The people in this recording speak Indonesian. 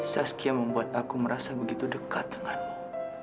saskia membuat aku merasa begitu dekat denganmu